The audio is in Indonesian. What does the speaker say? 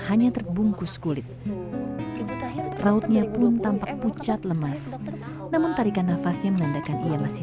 hanya terbungkus kulit rautnya pun tampak pucat lemas namun tarikan nafasnya menandakan ia masih